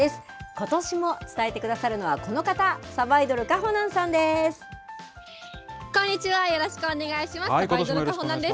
ことしも伝えてくださるのはこの方、さばいどる、かほなんさんです。